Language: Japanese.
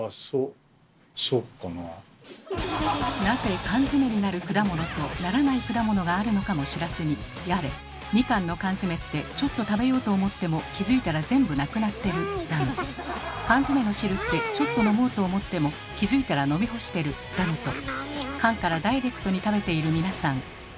なぜ缶詰になる果物とならない果物があるのかも知らずにやれ「みかんの缶詰ってちょっと食べようと思っても気付いたら全部なくなってる」だの「缶詰の汁ってちょっと飲もうと思っても気付いたら飲み干してる」だのと缶からダイレクトに食べている皆さん。